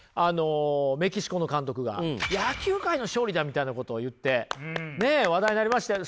メキシコの監督が野球界の勝利だみたいなことを言って話題になりましたよね。